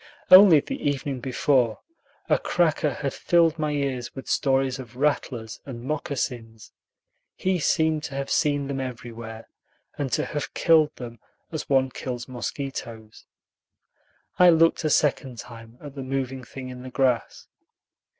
Only the evening before a cracker had filled my ears with stories of "rattlers" and "moccasins." He seemed to have seen them everywhere, and to have killed them as one kills mosquitoes. I looked a second time at the moving thing in the grass.